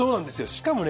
しかもね